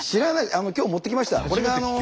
今日持ってきました。